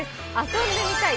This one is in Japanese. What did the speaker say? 遊んでみたい！